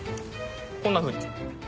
こんなふうに。